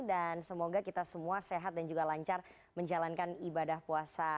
dan semoga kita semua sehat dan juga lancar menjalankan ibadah puasa